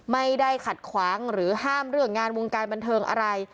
ไม่ได้ขัดขวางหรือห้ามเรื่องงานวงการบันเทิงอะไร